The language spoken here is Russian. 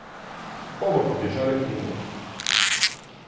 Оба побежали к нему.